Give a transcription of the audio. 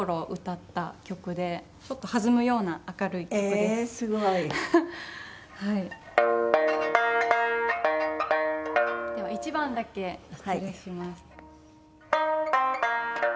では１番だけ失礼します。